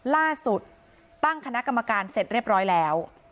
ตั้งคณะกรรมการเสร็จเรียบร้อยแล้ว